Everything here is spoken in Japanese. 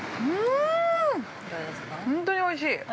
うーん、おいしい。